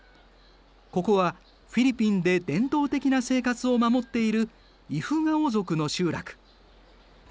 ここはフィリピンで伝統的な生活を守っているイフガオ族の集落。